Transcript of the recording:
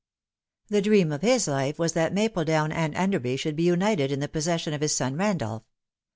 The dream of his 260 The Fatal three. life was that Mapledown and Enderby should be united in thd possession of his son Randolph.